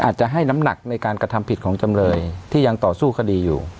อาจจะให้น้ำหนักในการกระทำผิดของจำเลยที่ยังต่อสู้คดีอยู่